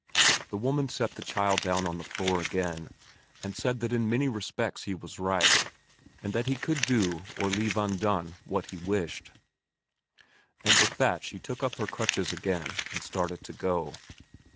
The woman set the child down on the floor again and said that in many respects he was right, and that he could do or leave undone what he wished; and with that she took up her crutches again and started to go.